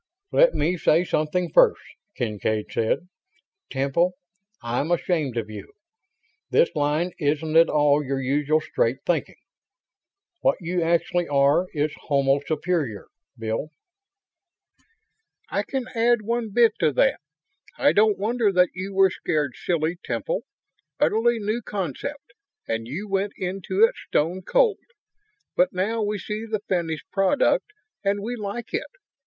"Let me say something first," Kincaid said. "Temple, I'm ashamed of you. This line isn't at all your usual straight thinking. What you actually are is homo superior. Bill?" "I can add one bit to that. I don't wonder that you were scared silly, Temple. Utterly new concept and you went into it stone cold. But now we see the finished product and we like it.